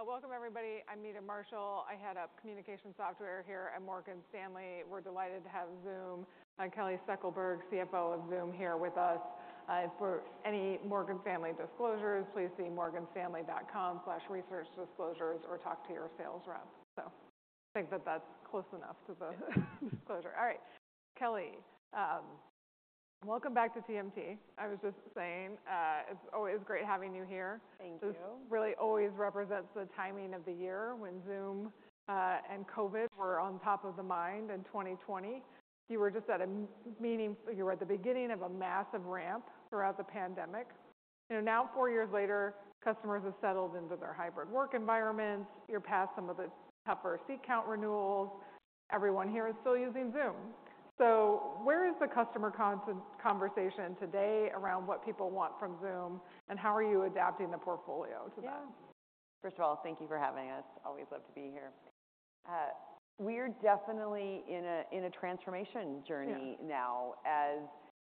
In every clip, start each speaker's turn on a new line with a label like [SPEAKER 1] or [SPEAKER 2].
[SPEAKER 1] Welcome, everybody. I'm Meta Marshall. I head up communication software here at Morgan Stanley. We're delighted to have Zoom's Kelly Steckelberg, CFO of Zoom, here with us. For any Morgan Stanley disclosures, please see morganstanley.com/researchdisclosures or talk to your sales rep. So I think that that's close enough to the disclosure. All right, Kelly, welcome back to TMT. I was just saying it's always great having you here.
[SPEAKER 2] Thank you.
[SPEAKER 1] This really always represents the timing of the year when Zoom and COVID were on top of the mind in 2020. You were just at a meeting. You were at the beginning of a massive ramp throughout the pandemic. Now, four years later, customers have settled into their hybrid work environments. You're past some of the tougher seat count renewals. Everyone here is still using Zoom. So where is the customer conversation today around what people want from Zoom, and how are you adapting the portfolio to that?
[SPEAKER 2] Yeah. First of all, thank you for having us. Always love to be here. We're definitely in a transformation journey now, as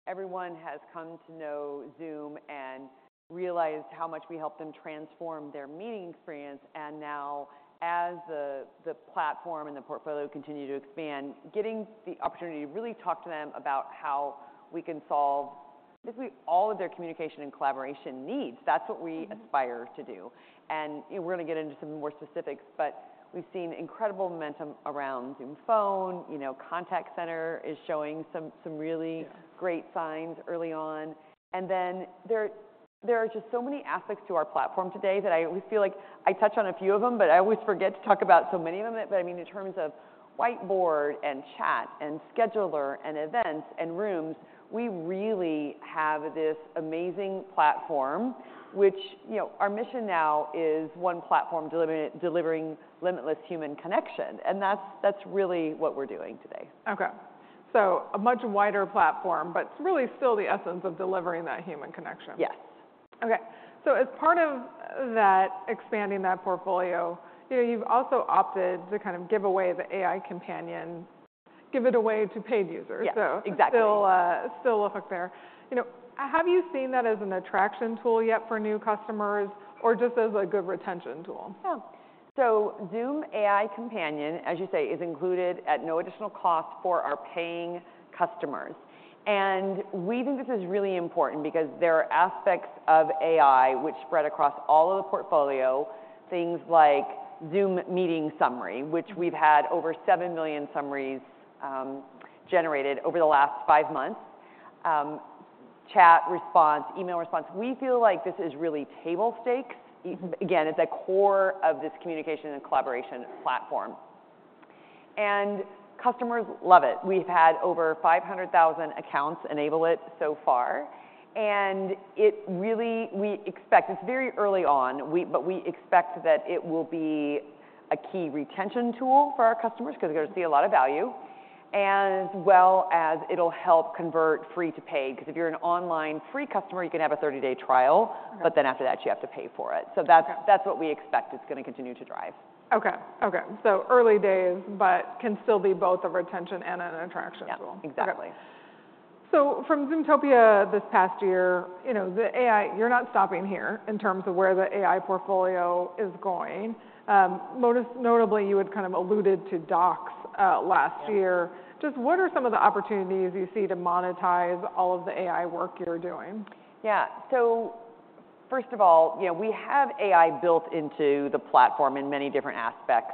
[SPEAKER 2] everyone has come to know Zoom and realized how much we help them transform their meeting experience. Now, as the platform and the portfolio continue to expand, getting the opportunity to really talk to them about how we can solve basically all of their communication and collaboration needs, that's what we aspire to do. We're going to get into some more specifics, but we've seen incredible momentum around Zoom Phone. Contact Center is showing some really great signs early on. Then there are just so many aspects to our platform today that I always feel like I touch on a few of them, but I always forget to talk about so many of them. But I mean, in terms of whiteboard and chat and scheduler and events and rooms, we really have this amazing platform, which our mission now is one platform delivering limitless human connection. And that's really what we're doing today.
[SPEAKER 1] OK. A much wider platform, but it's really still the essence of delivering that human connection.
[SPEAKER 2] Yes.
[SPEAKER 1] OK. So as part of that, expanding that portfolio, you've also opted to kind of give away the AI Companion, give it away to paid users. So still a hook there. Have you seen that as an attraction tool yet for new customers, or just as a good retention tool?
[SPEAKER 2] Yeah. So Zoom AI Companion, as you say, is included at no additional cost for our paying customers. And we think this is really important because there are aspects of AI which spread across all of the portfolio, things like Zoom Meeting summary, which we've had over 7 million summaries generated over the last five months, chat response, email response. We feel like this is really table stakes. Again, it's at core of this communication and collaboration platform. And customers love it. We've had over 500,000 accounts enable it so far. And we expect it's very early on, but we expect that it will be a key retention tool for our customers because they're going to see a lot of value, as well as it'll help convert free to paid. Because if you're an online free customer, you can have a 30-day trial, but then after that, you have to pay for it. So that's what we expect it's going to continue to drive.
[SPEAKER 1] OK. OK. So early days, but can still be both a retention and an attraction tool.
[SPEAKER 2] Yeah. Exactly.
[SPEAKER 1] From Zoomtopia this past year, you're not stopping here in terms of where the AI portfolio is going. Notably, you had kind of alluded to docs last year. Just what are some of the opportunities you see to monetize all of the AI work you're doing?
[SPEAKER 2] Yeah. So first of all, we have AI built into the platform in many different aspects.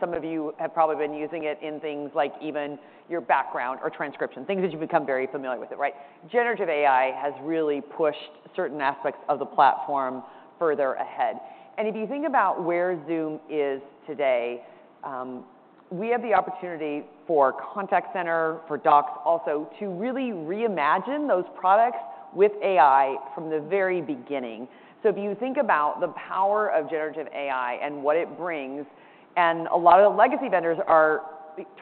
[SPEAKER 2] Some of you have probably been using it in things like even your background or transcription, things that you've become very familiar with it. Generative AI has really pushed certain aspects of the platform further ahead. And if you think about where Zoom is today, we have the opportunity for Contact Center, for Docs also, to really reimagine those products with AI from the very beginning. So if you think about the power of generative AI and what it brings, and a lot of the legacy vendors are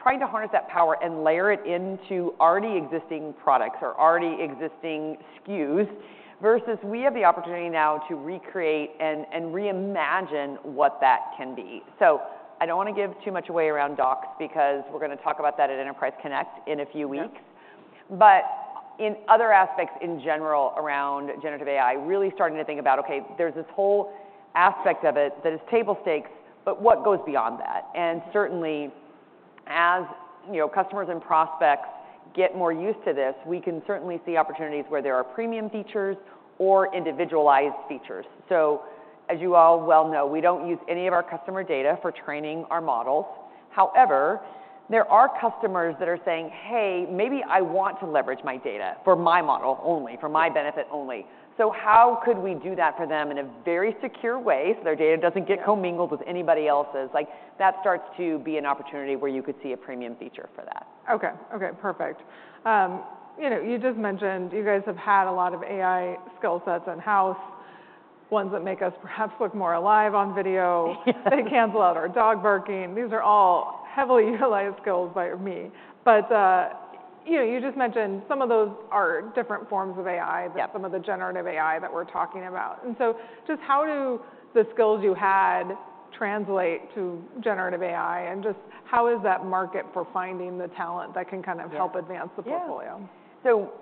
[SPEAKER 2] trying to harness that power and layer it into already existing products or already existing SKUs versus we have the opportunity now to recreate and reimagine what that can be. So I don't want to give too much away around docs because we're going to talk about that at Enterprise Connect in a few weeks. But in other aspects in general around generative AI, really starting to think about, OK, there's this whole aspect of it that is table stakes, but what goes beyond that? And certainly, as customers and prospects get more used to this, we can certainly see opportunities where there are premium features or individualized features. So as you all well know, we don't use any of our customer data for training our models. However, there are customers that are saying, hey, maybe I want to leverage my data for my model only, for my benefit only. So how could we do that for them in a very secure way so their data doesn't get commingled with anybody else's? That starts to be an opportunity where you could see a premium feature for that.
[SPEAKER 1] OK. OK. Perfect. You just mentioned you guys have had a lot of AI skill sets in-house, ones that make us perhaps look more alive on video. They cancel out our dog barking. These are all heavily utilized skills by me. But you just mentioned some of those are different forms of AI than some of the generative AI that we're talking about. And so just how do the skills you had translate to generative AI? And just how is that market for finding the talent that can kind of help advance the portfolio?
[SPEAKER 2] Yeah. So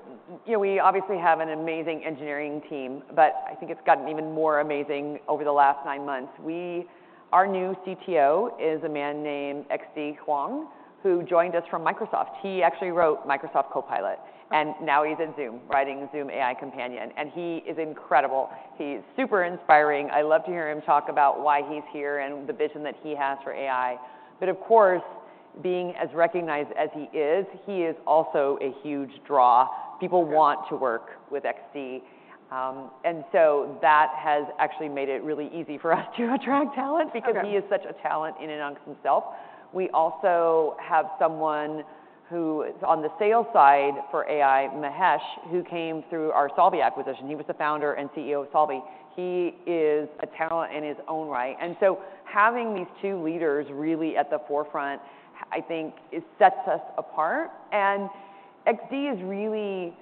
[SPEAKER 2] we obviously have an amazing engineering team, but I think it's gotten even more amazing over the last nine months. Our new CTO is a man named X.D. Huang, who joined us from Microsoft. He actually wrote Microsoft Copilot, and now he's at Zoom writing Zoom AI Companion. And he is incredible. He's super inspiring. I love to hear him talk about why he's here and the vision that he has for AI. But of course, being as recognized as he is, he is also a huge draw. People want to work with X.D. And so that has actually made it really easy for us to attract talent because he is such a talent in and of himself. We also have someone who is on the sales side for AI, Mahesh, who came through our Solvvy acquisition. He was the founder and CEO of Solvvy. He is a talent in his own right. And so having these two leaders really at the forefront, I think, sets us apart. And X.D. is really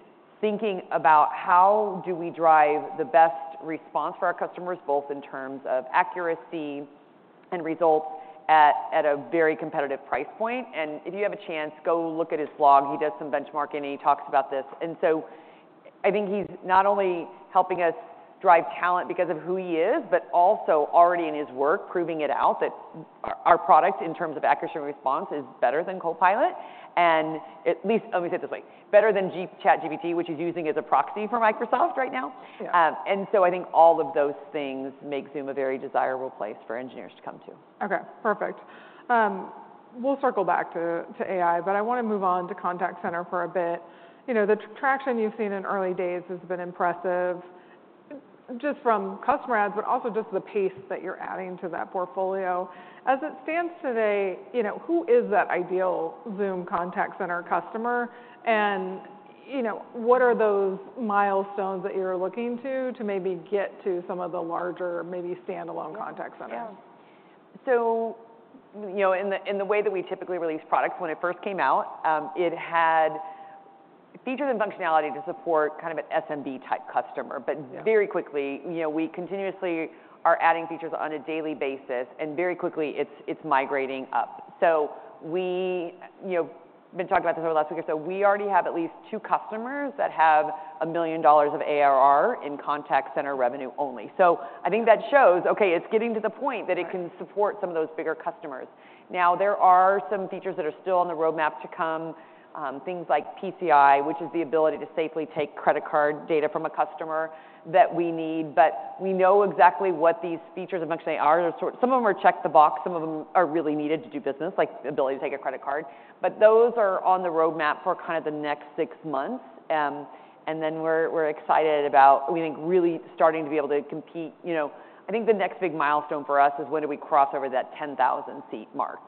[SPEAKER 2] thinking about how do we drive the best response for our customers, both in terms of accuracy and results at a very competitive price point. And if you have a chance, go look at his blog. He does some benchmarking, and he talks about this. And so I think he's not only helping us drive talent because of who he is, but also already in his work proving it out that our product, in terms of accuracy and response, is better than Copilot. And at least let me say it this way: better than ChatGPT, which he's using as a proxy for Microsoft right now. And so I think all of those things make Zoom a very desirable place for engineers to come to.
[SPEAKER 1] OK. Perfect. We'll circle back to AI, but I want to move on to Contact Center for a bit. The traction you've seen in early days has been impressive, just from customer ads, but also just the pace that you're adding to that portfolio. As it stands today, who is that ideal Zoom Contact Center customer? And what are those milestones that you're looking to maybe get to some of the larger, maybe standalone Contact Centers?
[SPEAKER 2] Yeah. So in the way that we typically release products, when it first came out, it had features and functionality to support kind of an SMB-type customer. But very quickly, we continuously are adding features on a daily basis. And very quickly, it's migrating up. So we've been talking about this over the last week or so. We already have at least two customers that have $1 million of ARR in Contact Center revenue only. So I think that shows, OK, it's getting to the point that it can support some of those bigger customers. Now, there are some features that are still on the roadmap to come, things like PCI, which is the ability to safely take credit card data from a customer that we need. But we know exactly what these features and functionality are. Some of them are check-the-box. Some of them are really needed to do business, like the ability to take a credit card. But those are on the roadmap for kind of the next 6 months. And then we're excited about, we think, really starting to be able to compete. I think the next big milestone for us is when do we cross over that 10,000-seat mark?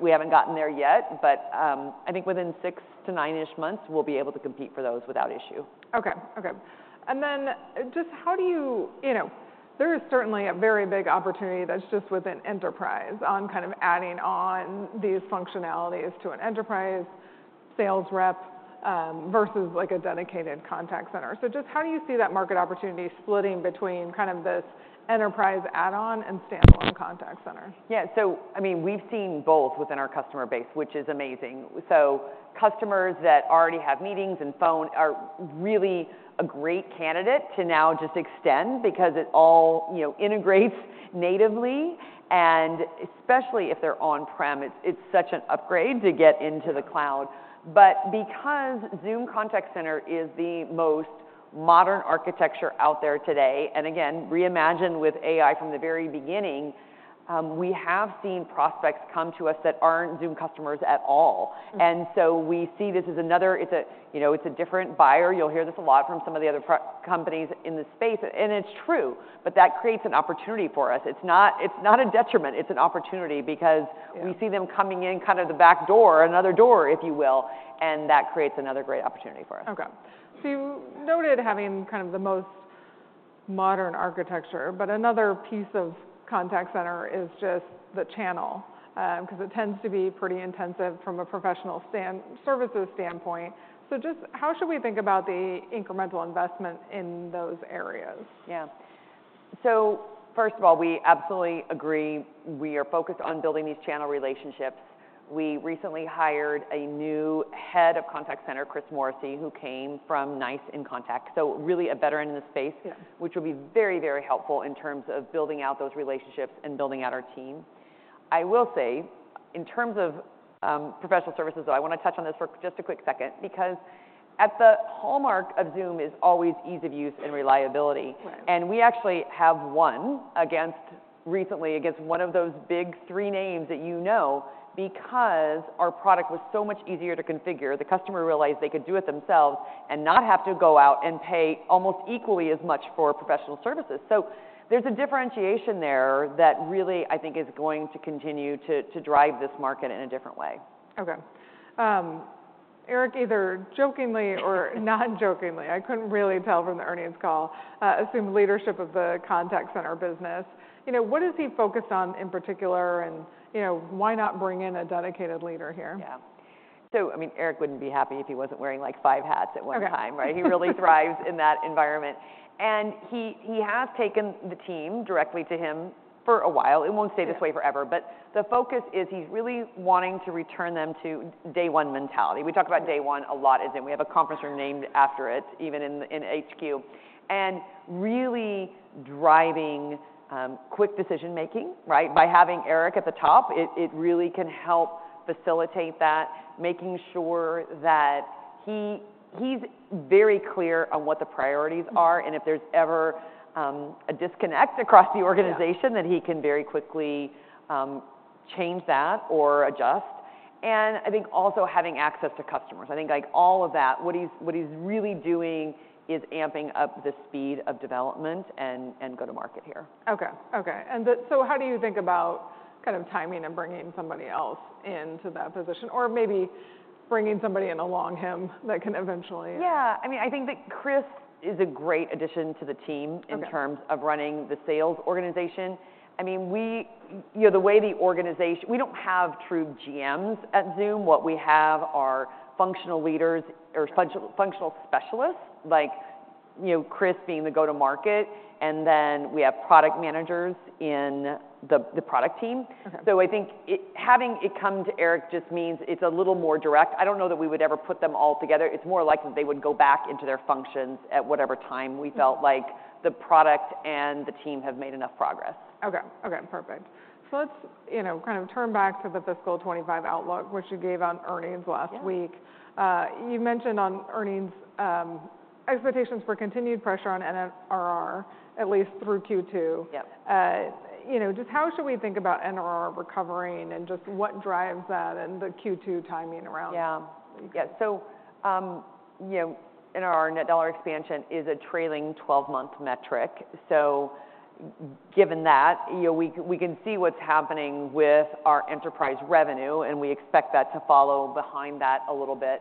[SPEAKER 2] We haven't gotten there yet. But I think within 6-9-ish months, we'll be able to compete for those without issue.
[SPEAKER 1] And then just how do you there is certainly a very big opportunity that's just within enterprise on kind of adding on these functionalities to an enterprise sales rep versus like a dedicated Contact Center. So just how do you see that market opportunity splitting between kind of this enterprise add-on and standalone Contact Center?
[SPEAKER 2] Yeah. So I mean, we've seen both within our customer base, which is amazing. So customers that already have meetings and phone are really a great candidate to now just extend because it all integrates natively. And especially if they're on-prem, it's such an upgrade to get into the cloud. But because Zoom Contact Center is the most modern architecture out there today and again, reimagine with AI from the very beginning, we have seen prospects come to us that aren't Zoom customers at all. And so we see this as another it's a different buyer. You'll hear this a lot from some of the other companies in the space. And it's true. But that creates an opportunity for us. It's not a detriment. It's an opportunity because we see them coming in kind of the back door, another door, if you will. That creates another great opportunity for us.
[SPEAKER 1] OK. So you noted having kind of the most modern architecture. But another piece of Contact Center is just the channel because it tends to be pretty intensive from a professional services standpoint. So just how should we think about the incremental investment in those areas?
[SPEAKER 2] Yeah. So first of all, we absolutely agree. We are focused on building these channel relationships. We recently hired a new head of Contact Center, Chris Morrissey, who came from NICE inContact, so really a veteran in the space, which will be very, very helpful in terms of building out those relationships and building out our team. I will say, in terms of professional services, though, I want to touch on this for just a quick second because at the hallmark of Zoom is always ease of use and reliability. And we actually have won recently against one of those big three names that you know because our product was so much easier to configure. The customer realized they could do it themselves and not have to go out and pay almost equally as much for professional services. There's a differentiation there that really, I think, is going to continue to drive this market in a different way.
[SPEAKER 1] OK. Eric, either jokingly or non-jokingly, I couldn't really tell from the earnings call, assumed leadership of the Contact Center business. What is he focused on in particular? And why not bring in a dedicated leader here?
[SPEAKER 2] Yeah. So I mean, Eric wouldn't be happy if he wasn't wearing like five hats at one time. He really thrives in that environment. And he has taken the team directly to him for a while. It won't stay this way forever. But the focus is he's really wanting to return them to day one mentality. We talk about day one a lot. We have a conference room named after it, even in HQ, and really driving quick decision-making by having Eric at the top. It really can help facilitate that, making sure that he's very clear on what the priorities are. And if there's ever a disconnect across the organization, that he can very quickly change that or adjust. And I think also having access to customers. I think all of that, what he's really doing is amping up the speed of development and go-to-market here.
[SPEAKER 1] OK. OK. And so how do you think about kind of timing and bringing somebody else into that position or maybe bringing somebody in along him that can eventually?
[SPEAKER 2] Yeah. I mean, I think that Chris is a great addition to the team in terms of running the sales organization. I mean, the way the organization we don't have true GMs at Zoom. What we have are functional leaders or functional specialists, like Chris being the go-to-market. And then we have product managers in the product team. So I think having it come to Eric just means it's a little more direct. I don't know that we would ever put them all together. It's more likely that they would go back into their functions at whatever time we felt like the product and the team have made enough progress.
[SPEAKER 1] OK. OK. Perfect. So let's kind of turn back to the fiscal 2025 outlook, which you gave on earnings last week. You mentioned on earnings expectations for continued pressure on NRR, at least through Q2. Just how should we think about NRR recovering and just what drives that and the Q2 timing around?
[SPEAKER 2] Yeah. Yeah. So NRR, net dollar expansion, is a trailing 12-month metric. So given that, we can see what's happening with our enterprise revenue. And we expect that to follow behind that a little bit.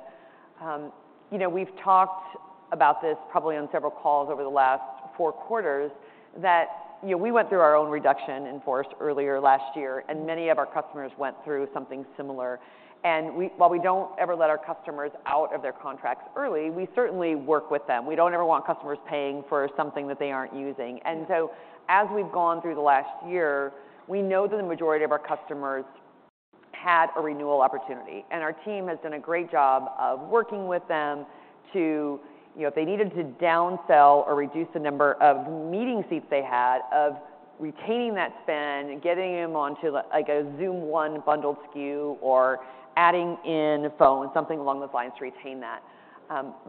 [SPEAKER 2] We've talked about this probably on several calls over the last four quarters that we went through our own reduction in forced earlier last year. And many of our customers went through something similar. And while we don't ever let our customers out of their contracts early, we certainly work with them. We don't ever want customers paying for something that they aren't using. And so as we've gone through the last year, we know that the majority of our customers had a renewal opportunity. Our team has done a great job of working with them to, if they needed to downsell or reduce the number of meeting seats they had, of retaining that spend and getting them onto a Zoom One bundled SKU or adding in phone, something along those lines to retain that.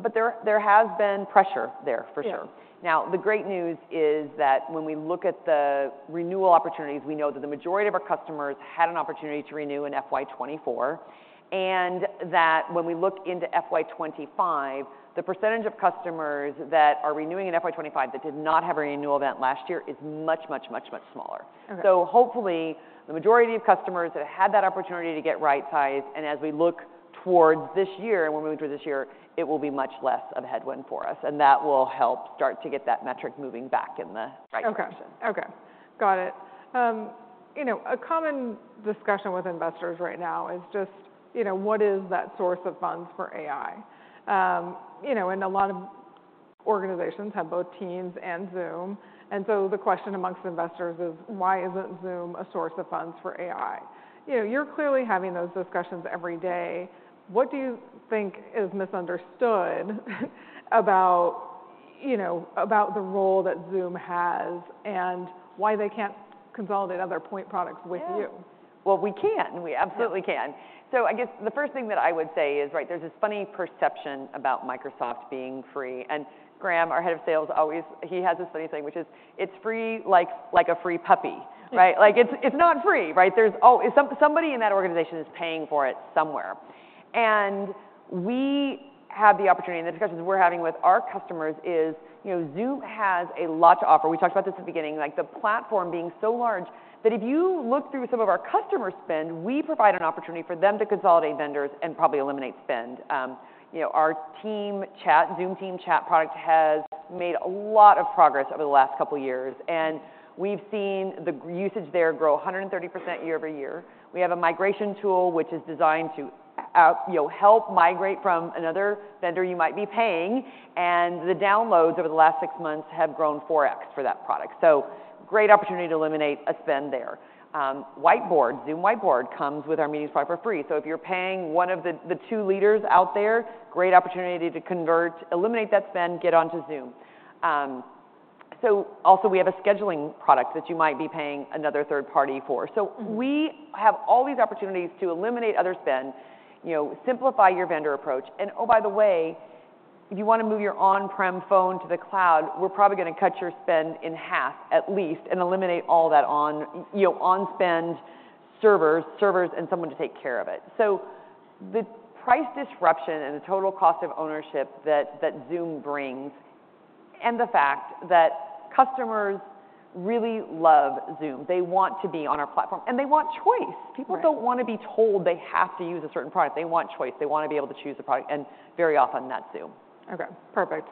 [SPEAKER 2] But there has been pressure there, for sure. Now, the great news is that when we look at the renewal opportunities, we know that the majority of our customers had an opportunity to renew in FY 2024. And that when we look into FY 2025, the percentage of customers that are renewing in FY 2025 that did not have a renewal event last year is much, much, much, much smaller. Hopefully, the majority of customers that had that opportunity to get right-sized, and as we look towards this year and we're moving through this year, it will be much less of a headwind for us. That will help start to get that metric moving back in the right direction.
[SPEAKER 1] OK. OK. Got it. A common discussion with investors right now is just what is that source of funds for AI? And a lot of organizations have both Teams and Zoom. And so the question among investors is, why isn't Zoom a source of funds for AI? You're clearly having those discussions every day. What do you think is misunderstood about the role that Zoom has and why they can't consolidate other point products with you?
[SPEAKER 2] Well, we can. We absolutely can. So I guess the first thing that I would say is, right, there's this funny perception about Microsoft being free. And Graeme, our head of sales, always he has this funny saying, which is, it's free like a free puppy. It's not free. Somebody in that organization is paying for it somewhere. And we have the opportunity and the discussions we're having with our customers is Zoom has a lot to offer. We talked about this at the beginning, like the platform being so large that if you look through some of our customer spend, we provide an opportunity for them to consolidate vendors and probably eliminate spend. Our Zoom Team Chat product has made a lot of progress over the last couple of years. And we've seen the usage there grow 130% year-over-year. We have a migration tool, which is designed to help migrate from another vendor you might be paying. The downloads over the last six months have grown 4x for that product. So great opportunity to eliminate a spend there. Zoom Whiteboard comes with our Zoom Meetings for free. So if you're paying one of the two leaders out there, great opportunity to convert, eliminate that spend, get onto Zoom. So also, we have a scheduling product that you might be paying another third party for. So we have all these opportunities to eliminate other spend, simplify your vendor approach. And oh, by the way, if you want to move your on-prem phone to the cloud, we're probably going to cut your spend in half, at least, and eliminate all that on-prem servers, servers, and someone to take care of it. The price disruption and the total cost of ownership that Zoom brings and the fact that customers really love Zoom, they want to be on our platform, and they want choice. People don't want to be told they have to use a certain product. They want choice. They want to be able to choose a product. Very often, that's Zoom.
[SPEAKER 1] OK. Perfect.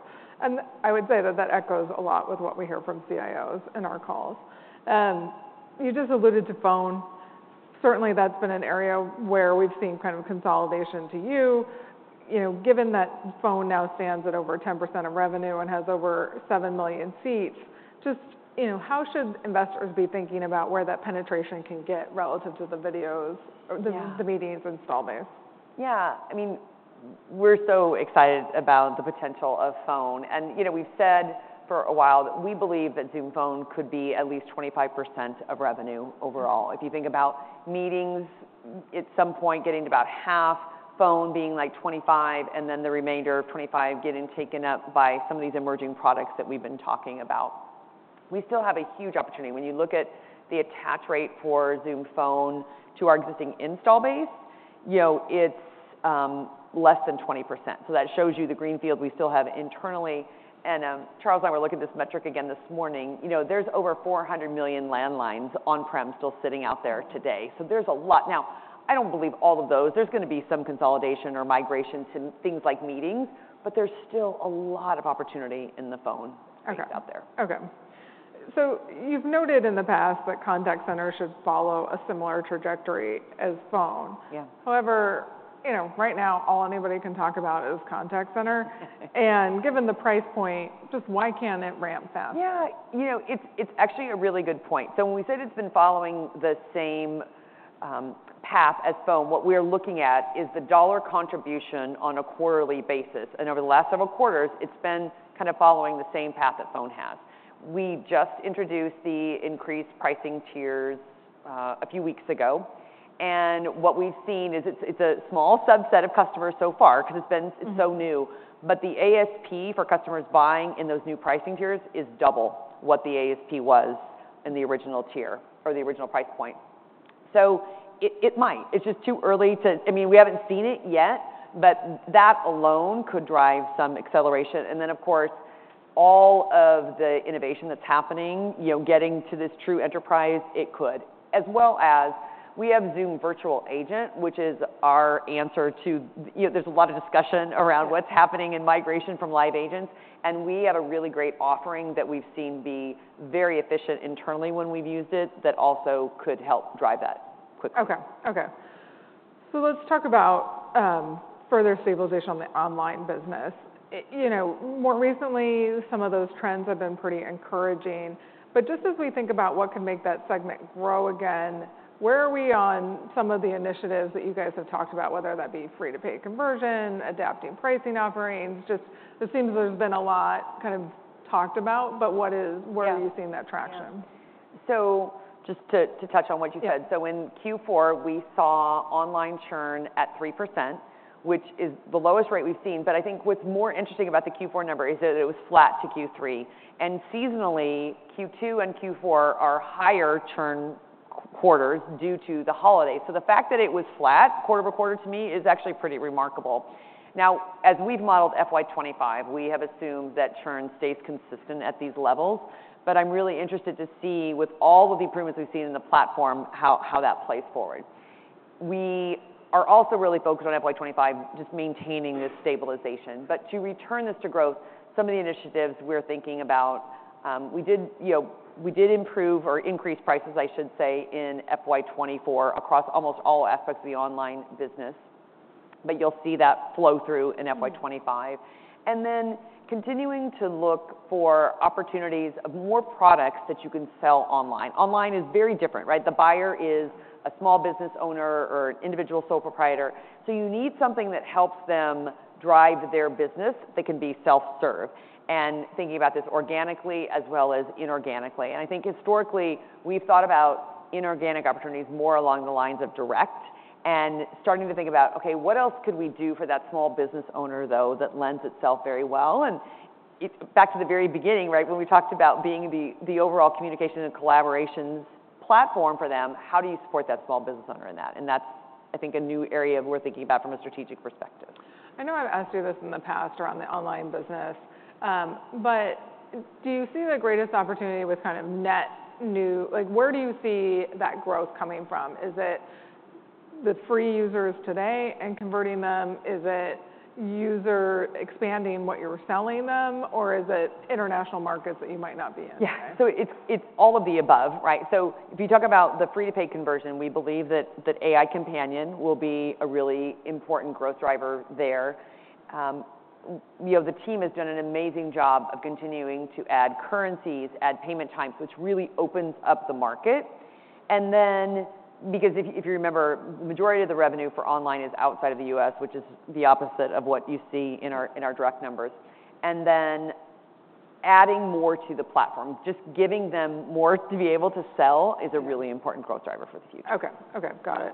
[SPEAKER 1] I would say that that echoes a lot with what we hear from CIOs in our calls. You just alluded to phone. Certainly, that's been an area where we've seen kind of consolidation to Zoom. Given that phone now stands at over 10% of revenue and has over 7 million seats, just how should investors be thinking about where that penetration can get relative to the videos, the meetings, and standalone?
[SPEAKER 2] Yeah. I mean, we're so excited about the potential of phone. We've said for a while that we believe that Zoom Phone could be at least 25% of revenue overall. If you think about meetings at some point getting to about half, phone being like 25%, and then the remainder of 25% getting taken up by some of these emerging products that we've been talking about, we still have a huge opportunity. When you look at the attach rate for Zoom Phone to our existing install base, it's less than 20%. So that shows you the greenfield we still have internally. Charles and I were looking at this metric again this morning. There's over 400 million landlines on-prem still sitting out there today. So there's a lot. Now, I don't believe all of those. There's going to be some consolidation or migration to things like meetings. There's still a lot of opportunity in the phone space out there.
[SPEAKER 1] OK. So you've noted in the past that Contact Center should follow a similar trajectory as phone. However, right now, all anybody can talk about is Contact Center. And given the price point, just why can't it ramp fast?
[SPEAKER 2] Yeah. It's actually a really good point. So when we said it's been following the same path as phone, what we are looking at is the dollar contribution on a quarterly basis. And over the last several quarters, it's been kind of following the same path that phone has. We just introduced the increased pricing tiers a few weeks ago. And what we've seen is it's a small subset of customers so far because it's so new. But the ASP for customers buying in those new pricing tiers is double what the ASP was in the original tier or the original price point. So it might. It's just too early to I mean, we haven't seen it yet. But that alone could drive some acceleration. And then, of course, all of the innovation that's happening, getting to this true enterprise it could, as well as we have Zoom Virtual Agent, which is our answer to there's a lot of discussion around what's happening in migration from live agents. And we have a really great offering that we've seen be very efficient internally when we've used it that also could help drive that quickly.
[SPEAKER 1] OK. OK. So let's talk about further stabilization on the online business. More recently, some of those trends have been pretty encouraging. But just as we think about what could make that segment grow again, where are we on some of the initiatives that you guys have talked about, whether that be free-to-pay conversion, adapting pricing offerings? It seems there's been a lot kind of talked about. But where are you seeing that traction?
[SPEAKER 2] So just to touch on what you said, so in Q4, we saw online churn at 3%, which is the lowest rate we've seen. But I think what's more interesting about the Q4 number is that it was flat to Q3. And seasonally, Q2 and Q4 are higher churn quarters due to the holidays. So the fact that it was flat quarter-over-quarter to me is actually pretty remarkable. Now, as we've modeled FY 2025, we have assumed that churn stays consistent at these levels. But I'm really interested to see, with all of the improvements we've seen in the platform, how that plays forward. We are also really focused on FY 2025 just maintaining this stabilization. But to return this to growth, some of the initiatives we're thinking about we did improve or increase prices, I should say, in FY 2024 across almost all aspects of the online business. But you'll see that flow through in FY 2025. And then continuing to look for opportunities of more products that you can sell online. Online is very different. The buyer is a small business owner or an individual sole proprietor. So you need something that helps them drive their business that can be self-serve, and thinking about this organically as well as inorganically. And I think historically, we've thought about inorganic opportunities more along the lines of direct and starting to think about, OK, what else could we do for that small business owner, though, that lends itself very well? Back to the very beginning, when we talked about being the overall communication and collaborations platform for them, how do you support that small business owner in that? That's, I think, a new area we're thinking about from a strategic perspective.
[SPEAKER 1] I know I've asked you this in the past around the online business. But do you see the greatest opportunity with kind of net new? Where do you see that growth coming from? Is it the free users today and converting them? Is it user expanding what you're selling them? Or is it international markets that you might not be in today?
[SPEAKER 2] Yeah. So it's all of the above. So if you talk about the free-to-pay conversion, we believe that AI Companion will be a really important growth driver there. The team has done an amazing job of continuing to add currencies, add payment times, which really opens up the market. And then because if you remember, the majority of the revenue for online is outside of the U.S., which is the opposite of what you see in our direct numbers, and then adding more to the platform, just giving them more to be able to sell, is a really important growth driver for the future.
[SPEAKER 1] OK. OK. Got it.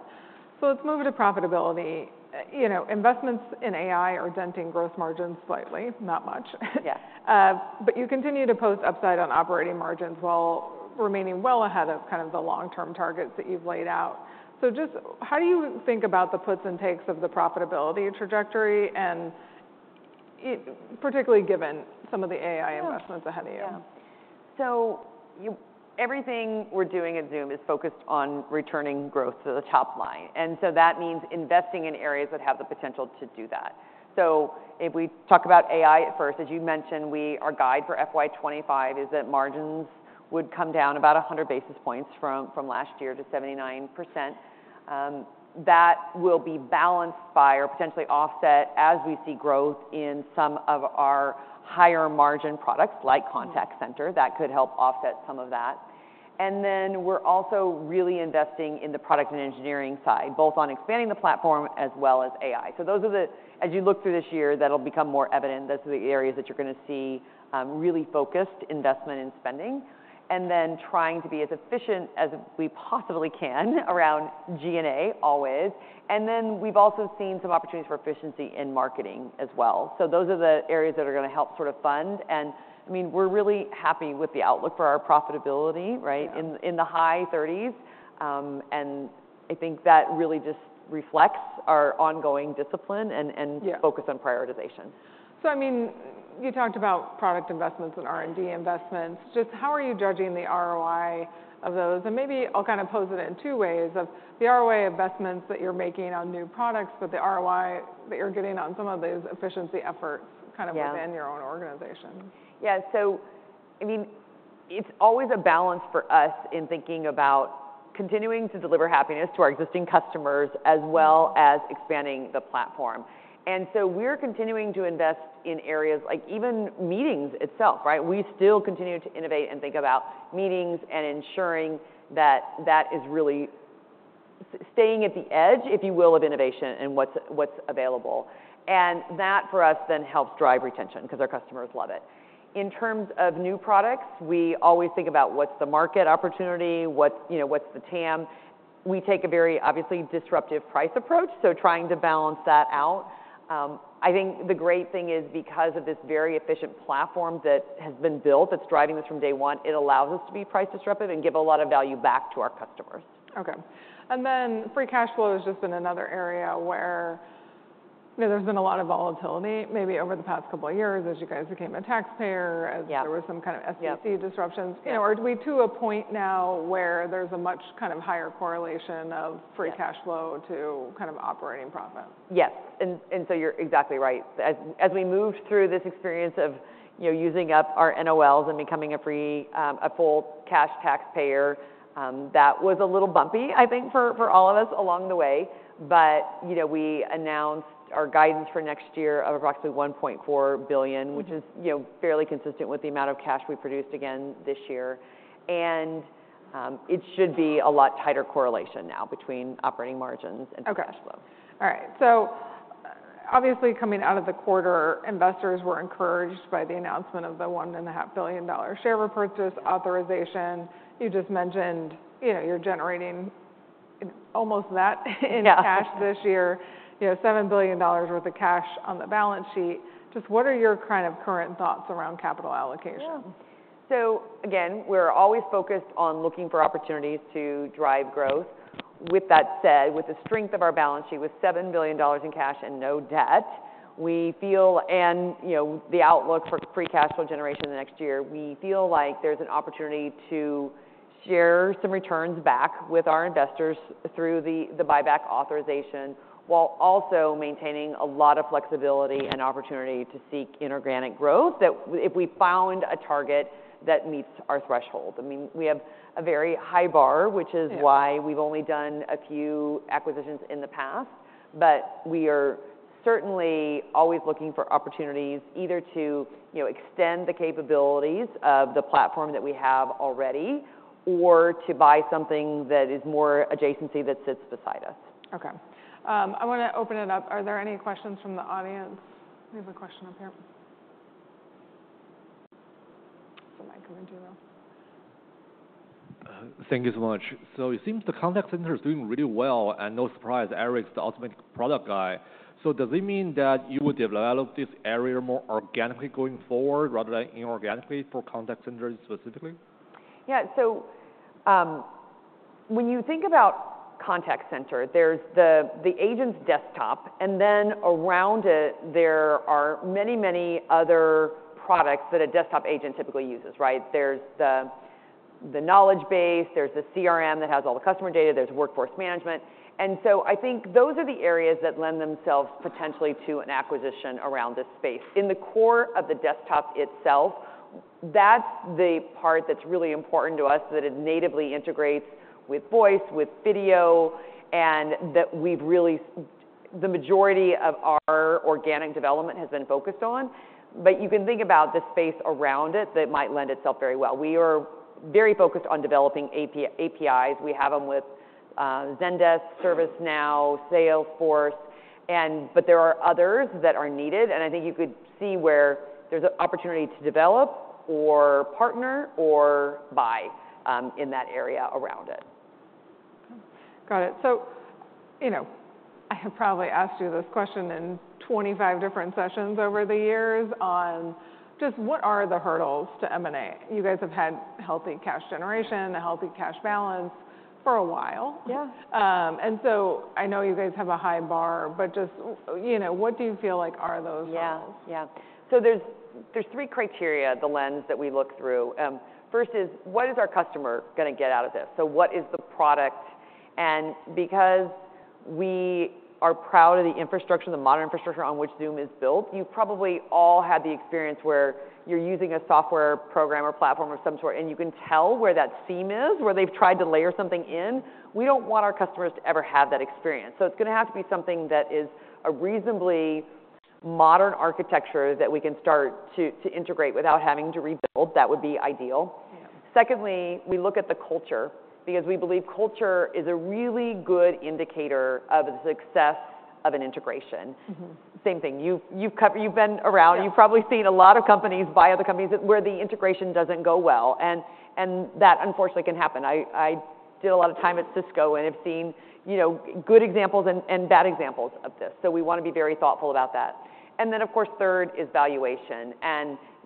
[SPEAKER 1] So let's move into profitability. Investments in AI are denting growth margins slightly, not much. But you continue to post upside on operating margins while remaining well ahead of kind of the long-term targets that you've laid out. So just how do you think about the puts and takes of the profitability trajectory, particularly given some of the AI investments ahead of you?
[SPEAKER 2] Yeah. So everything we're doing at Zoom is focused on returning growth to the top line. So that means investing in areas that have the potential to do that. So if we talk about AI at first, as you mentioned, our guide for FY 2025 is that margins would come down about 100 basis points from last year to 79%. That will be balanced by or potentially offset as we see growth in some of our higher margin products like Contact Center. That could help offset some of that. And then we're also really investing in the product and engineering side, both on expanding the platform as well as AI. So as you look through this year, that'll become more evident. Those are the areas that you're going to see really focused investment and spending, and then trying to be as efficient as we possibly can around G&A, always. Then we've also seen some opportunities for efficiency in marketing as well. Those are the areas that are going to help sort of fund. I mean, we're really happy with the outlook for our profitability in the high 30s. I think that really just reflects our ongoing discipline and focus on prioritization.
[SPEAKER 1] So, I mean, you talked about product investments and R&D investments. Just how are you judging the ROI of those? And maybe I'll kind of pose it in two ways of the ROI investments that you're making on new products but the ROI that you're getting on some of those efficiency efforts kind of within your own organization.
[SPEAKER 2] Yeah. So I mean, it's always a balance for us in thinking about continuing to deliver happiness to our existing customers as well as expanding the platform. So we're continuing to invest in areas like even meetings itself. We still continue to innovate and think about meetings and ensuring that that is really staying at the edge, if you will, of innovation and what's available. And that, for us, then helps drive retention because our customers love it. In terms of new products, we always think about what's the market opportunity, what's the TAM. We take a very obviously disruptive price approach. So trying to balance that out. I think the great thing is because of this very efficient platform that has been built that's driving this from day one, it allows us to be price disruptive and give a lot of value back to our customers.
[SPEAKER 1] OK. And then free cash flow has just been another area where there's been a lot of volatility maybe over the past couple of years as you guys became a taxpayer, as there were some kind of SEC disruptions. Are we to a point now where there's a much kind of higher correlation of free cash flow to kind of operating profit?
[SPEAKER 2] Yes. And so you're exactly right. As we moved through this experience of using up our NOLs and becoming a full cash taxpayer, that was a little bumpy, I think, for all of us along the way. But we announced our guidance for next year of approximately $1.4 billion, which is fairly consistent with the amount of cash we produced again this year. And it should be a lot tighter correlation now between operating margins and free cash flow.
[SPEAKER 1] All right. So obviously, coming out of the quarter, investors were encouraged by the announcement of the $1.5 billion share repurchase authorization. You just mentioned you're generating almost that in cash this year, $7 billion worth of cash on the balance sheet. Just what are your kind of current thoughts around capital allocation?
[SPEAKER 2] So again, we're always focused on looking for opportunities to drive growth. With that said, with the strength of our balance sheet with $7 billion in cash and no debt, we feel, and the outlook for free cash flow generation the next year, we feel like there's an opportunity to share some returns back with our investors through the buyback authorization while also maintaining a lot of flexibility and opportunity to seek inorganic growth if we found a target that meets our threshold. I mean, we have a very high bar, which is why we've only done a few acquisitions in the past. But we are certainly always looking for opportunities either to extend the capabilities of the platform that we have already or to buy something that is more adjacency that sits beside us.
[SPEAKER 1] OK. I want to open it up. Are there any questions from the audience? We have a question up here. Somebody coming through, though.
[SPEAKER 3] Thank you so much. It seems the Contact Center is doing really well. No surprise, Eric's the automatic product guy. Does it mean that you will develop this area more organically going forward rather than inorganically for Contact Center specifically?
[SPEAKER 2] Yeah. So when you think about Contact Center, there's the agent's desktop. And then around it, there are many, many other products that a desktop agent typically uses. There's the knowledge base. There's the CRM that has all the customer data. There's workforce management. And so I think those are the areas that lend themselves potentially to an acquisition around this space. In the core of the desktop itself, that's the part that's really important to us that it natively integrates with voice, with video, and that we've really the majority of our organic development has been focused on. But you can think about the space around it that might lend itself very well. We are very focused on developing APIs. We have them with Zendesk, ServiceNow, Salesforce. But there are others that are needed. I think you could see where there's an opportunity to develop or partner or buy in that area around it.
[SPEAKER 1] Got it. So I have probably asked you this question in 25 different sessions over the years on just what are the hurdles to M&A? You guys have had healthy cash generation, a healthy cash balance for a while. So I know you guys have a high bar. But just what do you feel like are those hurdles?
[SPEAKER 2] Yeah. Yeah. So there's three criteria, the lens that we look through. First is, what is our customer going to get out of this? So what is the product? And because we are proud of the infrastructure, the modern infrastructure on which Zoom is built, you've probably all had the experience where you're using a software program or platform of some sort. And you can tell where that seam is, where they've tried to layer something in. We don't want our customers to ever have that experience. So it's going to have to be something that is a reasonably modern architecture that we can start to integrate without having to rebuild. That would be ideal. Secondly, we look at the culture because we believe culture is a really good indicator of the success of an integration. Same thing. You've been around. You've probably seen a lot of companies buy other companies where the integration doesn't go well. That, unfortunately, can happen. I did a lot of time at Cisco and have seen good examples and bad examples of this. We want to be very thoughtful about that. Then, of course, third is valuation.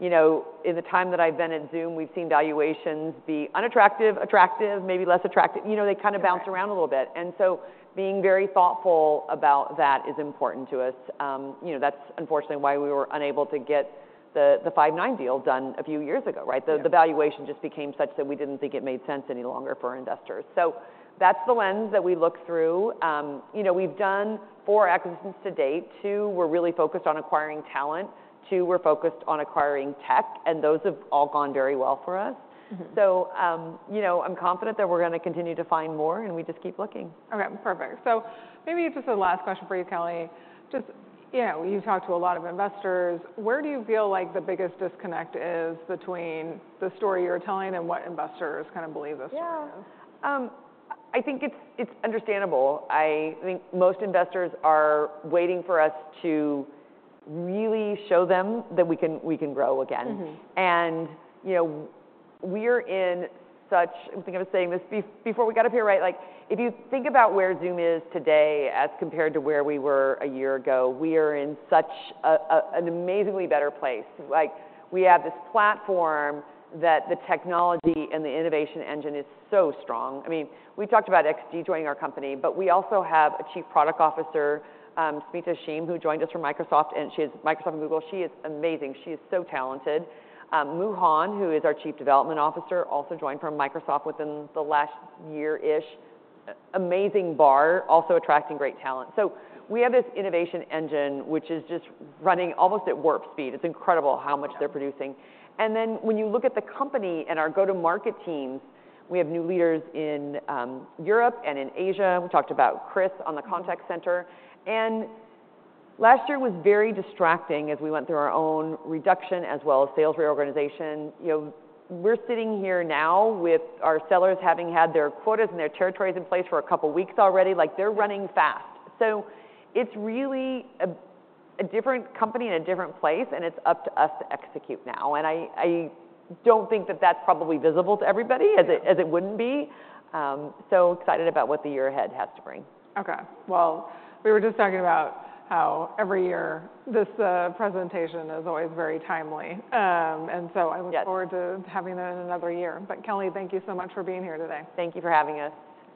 [SPEAKER 2] In the time that I've been at Zoom, we've seen valuations be unattractive, attractive, maybe less attractive. They kind of bounce around a little bit. Being very thoughtful about that is important to us. That's, unfortunately, why we were unable to get the Five9 deal done a few years ago. The valuation just became such that we didn't think it made sense any longer for investors. That's the lens that we look through. We've done four acquisitions to date. Two, we're really focused on acquiring talent. Two, we're focused on acquiring tech. Those have all gone very well for us. I'm confident that we're going to continue to find more. We just keep looking.
[SPEAKER 1] OK. Perfect. So maybe just a last question for you, Kelly. You've talked to a lot of investors. Where do you feel like the biggest disconnect is between the story you're telling and what investors kind of believe this story is?
[SPEAKER 2] Yeah. I think it's understandable. I think most investors are waiting for us to really show them that we can grow again. And we are in such. I'm thinking of saying this before we got up here. If you think about where Zoom is today as compared to where we were a year ago, we are in such an amazingly better place. We have this platform that the technology and the innovation engine is so strong. I mean, we talked about X.G. joining our company. But we also have a Chief Product Officer, Smita Hashim, who joined us from Microsoft. And she is Microsoft and Google. She is amazing. She is so talented. Mu Han, who is our Chief Development Officer, also joined from Microsoft within the last year-ish. Amazing, but also attracting great talent. So we have this innovation engine, which is just running almost at warp speed. It's incredible how much they're producing. And then when you look at the company and our go-to-market teams, we have new leaders in Europe and in Asia. We talked about Chris on the Contact Center. And last year was very distracting as we went through our own reduction as well as sales reorganization. We're sitting here now with our sellers having had their quotas and their territories in place for a couple of weeks already. They're running fast. So it's really a different company in a different place. And it's up to us to execute now. And I don't think that that's probably visible to everybody as it wouldn't be. So excited about what the year ahead has to bring.
[SPEAKER 1] OK. Well, we were just talking about how every year this presentation is always very timely. And so I look forward to having that in another year. But Kelly, thank you so much for being here today.
[SPEAKER 2] Thank you for having us.